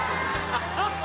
ハハハ！